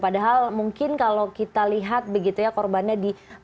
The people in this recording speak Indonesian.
padahal mungkin kalau kita lihat begitu ya korbannya di